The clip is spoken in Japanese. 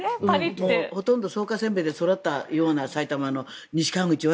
ほとんど草加せんべいで育ったような埼玉の西川口、蕨